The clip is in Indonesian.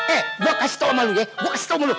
eh gue kasih tau sama lo ya gue kasih tau sama lo